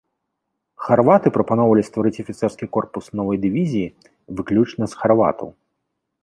Харваты прапаноўвалі стварыць афіцэрскі корпус новай дывізіі выключна з харватаў.